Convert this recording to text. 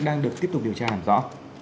đang được tiếp tục điều tra hẳn rõ